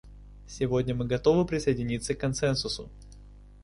Сегодня мы готовы присоединиться к консенсусу.